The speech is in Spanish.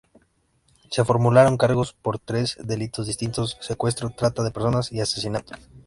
Se formularon cargos por tres delitos distintos: secuestro, trata de personas y asesinato.